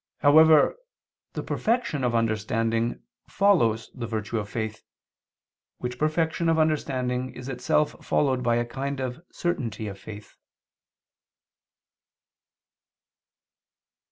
However, the perfection of understanding follows the virtue of faith: which perfection of understanding is itself followed by a kind of certainty of faith.